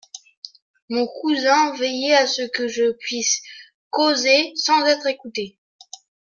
Mon cousin, veillez à ce que je puisse causer sans être écoutée.